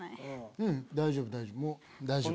ううん大丈夫大丈夫。